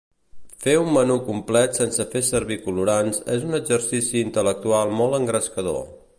Fer un menú complet sense fer servir colorants és un exercici intel·lectual molt engrescador.